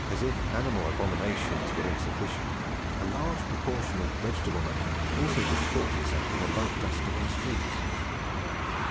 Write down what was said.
As if animal abominations were insufficient, a large proportion of vegetable matter also disports itself in the light dust of our streets.